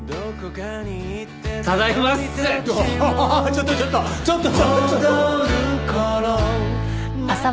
ちょっとちょっとちょっと！